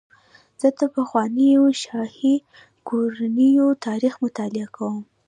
زه د پخوانیو شاهي کورنیو تاریخ مطالعه کوم.